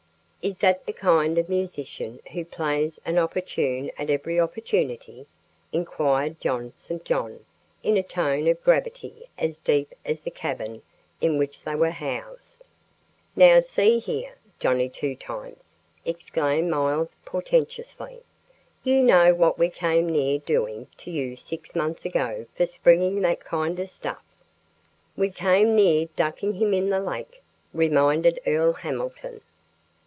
"Is that the kind of musician who plays an opportune at every opportunity?" inquired John St. John in a tone of gravity as deep as the cavern in which they were housed. "Now, see here, Johnnie Two Times," exclaimed Miles portentously: "you know what we came near doing to you six months ago for springing that kind of stuff." "We came near ducking him in the lake," reminded Earl Hamilton.